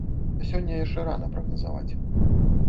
Сёння яшчэ рана прагназаваць.